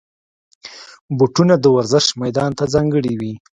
بوټونه د ورزش میدان ته ځانګړي وي.